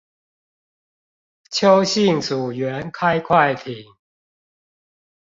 邱姓組員開快艇